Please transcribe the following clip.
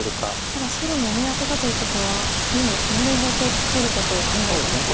ただ白も上アテたということはもう丸ごと取ることを考えてますよね。